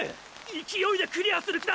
勢いでクリアする気だ！！